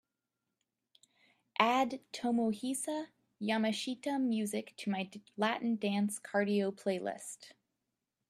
Add tomohisa yamashita music to my Latin Dance Cardio playlist